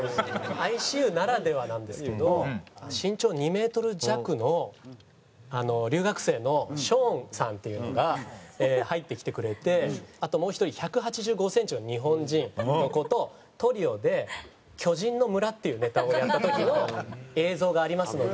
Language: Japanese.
ＩＣＵならではなんですけど身長２メートル弱の留学生のショーンさんっていうのが入ってきてくれてあともう１人１８５センチの日本人の子とトリオで「巨人の村」っていうネタをやった時の映像がありますので。